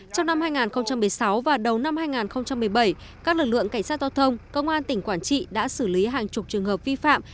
trong năm hai nghìn một mươi sáu và đầu năm hai nghìn một mươi bảy các lực lượng cảnh sát giao thông công an tỉnh quảng trị đã xử lý hàng chục trường hợp vi phạm